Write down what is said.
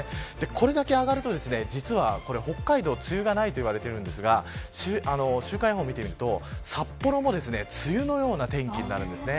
これだけ上がると実は北海道、梅雨がないといわれているんですが週間予報を見てみると、札幌も梅雨のような天気になるんですね。